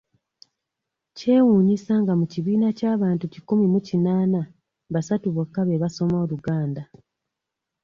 Kyewuunyisa nga mu kibiina eky'abantu kikumi mu kinaaana basatu bokka be basoma Oluganda.